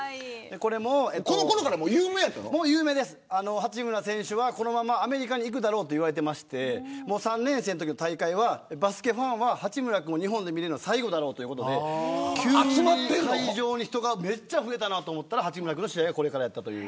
八村選手はこのままアメリカに行くだろうと言われてまして３年生のときの大会はバスケファンは日本で見れるのが最後だろうということで会場に人がめちゃくちゃ増えたと思ったら八村君の試合がこれからだった。